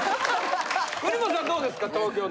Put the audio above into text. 国本さんどうですか？